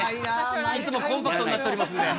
いつもコンパクトになっておりますので。